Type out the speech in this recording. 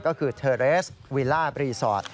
ก็คือเทอร์เรสวิลล่ารีสอร์ท